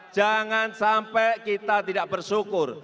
jangan sampai kita tidak bersyukur